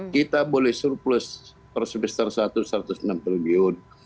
kita boleh surplus per semester satu satu ratus enam triliun